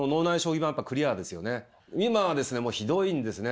今はですねひどいんですね。